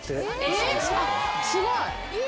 えすごい。